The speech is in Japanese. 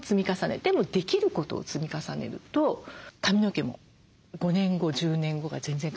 でもできることを積み重ねると髪の毛も５年後１０年後が全然変わってくると思います。